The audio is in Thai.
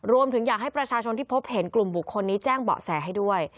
รวมถึงอยากให้ประชาชนที่พบเห็นกลุ่มบุคคลนี้แจ้งเบาะแสให้ด้วย